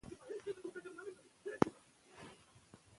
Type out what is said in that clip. حوصله د مور په ماشوم اغېز لري.